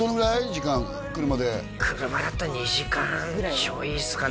時間車で車だったら２時間ちょいっすかね